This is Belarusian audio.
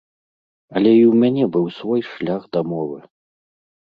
Але і ў мяне быў свой шлях да мовы.